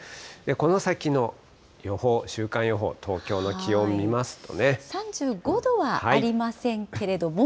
この先の予報、週間予報、３５度はありませんけれども。